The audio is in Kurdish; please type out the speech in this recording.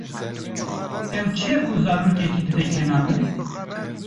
Ew çi ye ku zarokekî dide kenandin?